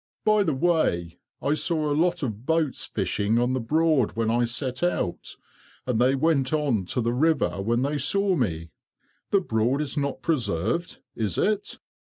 By the way, I saw a lot of boats fishing on the Broad when I set out, and they went on to the river when they saw me. The Broad is not preserved, is it?"